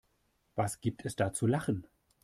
Was gibt es da zu lachen?